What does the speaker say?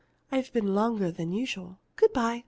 I've been longer than usual. Good by!"